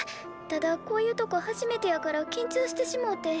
ただこういうとこ初めてやからきんちょうしてしもうて。